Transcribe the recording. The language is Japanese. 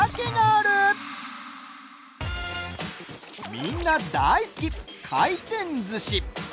みんな大好き、回転ずし。